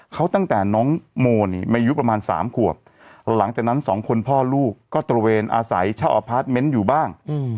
เขาตั้งแต่น้องโมนี่มายุประมาณ๓ขวบหลังจากนั้นสองคนพ่อลูกก็ตระเวนอาศัยเช่าอพาร์ทเมนต์อยู่บ้าง